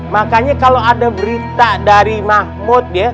makanya kalau ada berita dari mahfud ya